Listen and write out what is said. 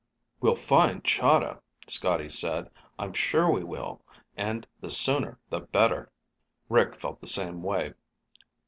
"We'll find Chahda," Scotty said. "I'm sure we will. And the sooner the better." Rick felt the same way.